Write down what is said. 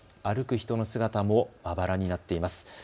歩く人の姿もまばらになっています。